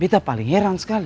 bita paling heran sekali